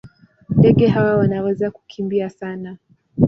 Ndege hawa wanaweza kukimbia sana.